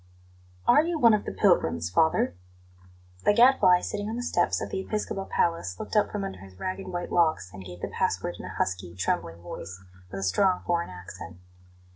"Are you one of the pilgrims, father?" The Gadfly, sitting on the steps of the episcopal palace, looked up from under his ragged white locks, and gave the password in a husky, trembling voice, with a strong foreign accent.